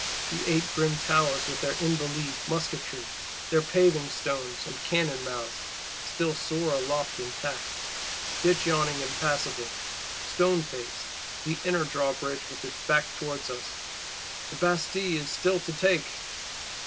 The Eight grim Towers, with their Invalides' musketry, their paving stones and cannon mouths, still soar aloft intact;—Ditch yawning impassable, stone faced; the inner Drawbridge with its back towards us: the Bastille is still to take!